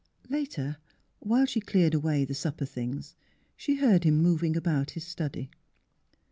'' Later, while she cleared away the supper things, she heard him moving about his study.